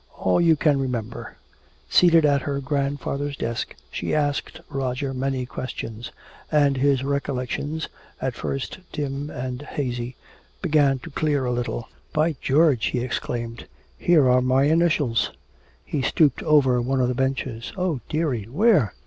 "All you can remember." Seated at her grandfather's desk she asked Roger many questions. And his recollections, at first dim and hazy, began to clear a little. "By George!" he exclaimed. "Here are my initials!" He stooped over one of the benches. "Oh, dearie! Where?"